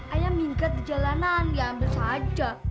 ayam hingga di jalanan diambil saja